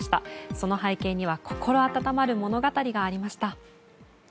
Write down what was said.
その背景には心温まる物語がありました。